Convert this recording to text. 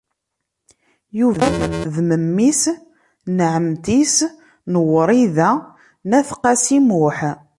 Yuba d memmi-s n ɛemmti-s n Wrida n At Qasi Muḥ.